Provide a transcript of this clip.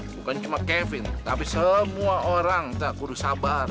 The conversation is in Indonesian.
bukan cuma kevin tapi semua orang tak kurus sabar